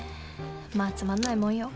まあつまんないもんよ」